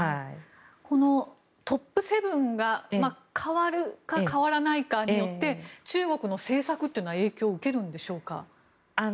このトップ７人が代わるか代わらないかによって中国の政策って影響を受けるんでしょうか？